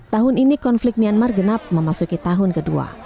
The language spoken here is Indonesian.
tahun ini konflik myanmar genap memasuki tahun kedua